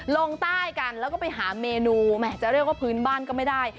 ลงใต้กันแล้วก็ไปหาเมนูแหมจะเรียกว่าพื้นบ้านก็ไม่ได้